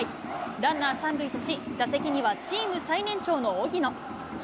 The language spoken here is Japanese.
ランナー３塁とし、打席にはチーム最年長の荻野。